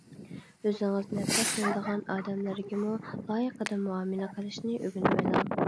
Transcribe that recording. ئۆزىڭىز نەپرەتلىنىدىغان ئادەملەرگىمۇ لايىقىدا مۇئامىلە قىلىشنى ئۆگىنىۋېلىڭ.